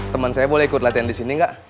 teman saya boleh ikut latihan di sini nggak